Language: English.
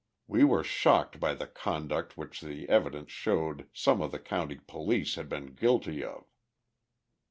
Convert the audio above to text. We were shocked by the conduct which the evidence showed some of the county police had been guilty of."